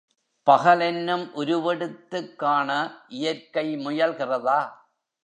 பகலென்னும் உருவெடுத்துக் காண இயற்கை முயல்கிறதா?